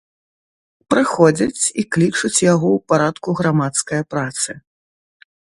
Прыходзяць і клічуць яго ў парадку грамадскае працы.